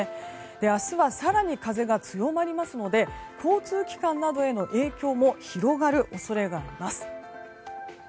明日は更に風が強まりますので交通機関などへの影響も広がる恐れがあります。